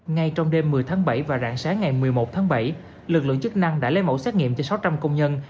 ngay trong đêm một mươi tháng bảy và rạng sáng ngày một mươi một tháng bảy lực lượng chức năng đã lấy mẫu xét nghiệm cho sáu trăm linh công nhân